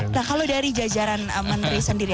nah kalau dari jajaran menteri sendiri